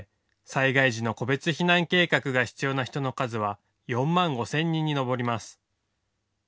災害時の個別避難計画が必要な人の数は４万５０００人に上ります。